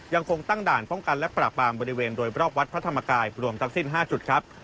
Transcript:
ยังคงตั้งด่านป้องกันและปราบปรามบริเวณโดยรอบวัดพระธรรมกายรวมทั้งสิ้น๕จุดครับ